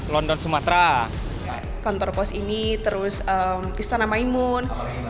london sumatera kantor pos ini terus istana maimun